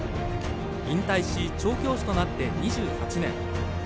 引退し、調教師となって２８年。